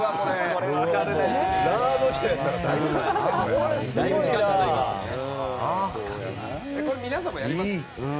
これ、皆さんもやりますか？